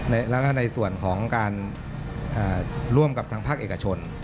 แล้วก็ในส่วนของการร่วมกับทางภาคเอกชน